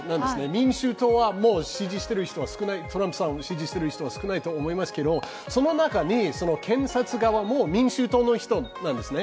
民主党はもうトランプさんを支持してる人は少ないと思いますがその中に、検察側も民主党の人なんですね。